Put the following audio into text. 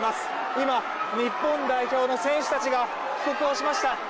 今、日本代表の選手たちが帰国をしました。